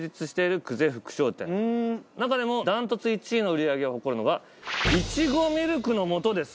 中でも断トツ１位の売り上げを誇るのがいちごミルクの素です。